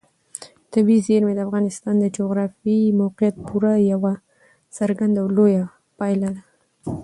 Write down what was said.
طبیعي زیرمې د افغانستان د جغرافیایي موقیعت پوره یوه څرګنده او لویه پایله ده.